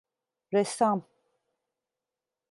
Ressam…